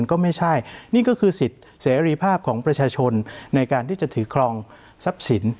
ก็ไม่ใช่นี่ก็คือสิทธิ์เสรีภาพของประชาชนในการที่จะถือครองทรัพย์สิน